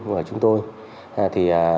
của chúng tôi